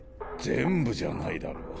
全部じゃないだろう。